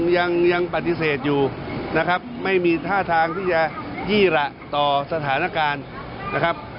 ยังปฏิเสธอยู่ไม่มีท่าทางที่จะยี่ระต่อสถานการณ์